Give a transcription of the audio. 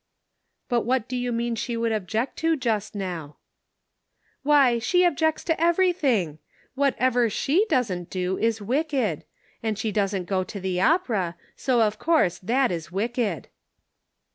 " But what do you mean she would object to just now ?"" Why, she objects to everything. What ever she doesn't do is wicked ; and she doesn't go to the opera ; so of course, that is wicked."